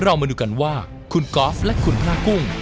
เรามาดูกันว่าคุณกอล์ฟและคุณพระกุ้ง